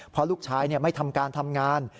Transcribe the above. เพราะลูกชายไม่ทำการทำงาน